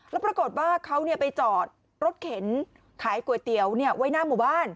แล้วปรากฏว่าเขาไปจอดรถเข็นขายก๋วยเตี๋ยวไว้หน้าหมู่บ้าน